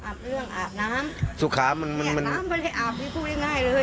อาบเรื่องอาบน้ำสุขามันมันอาบน้ำก็ได้อาบที่พูดได้ง่ายเลย